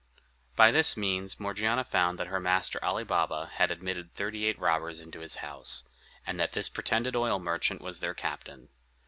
By this means Morgiana found that her master Ali Baba had admitted thirty eight robbers into his house, and that this pretended oil merchant was their captain.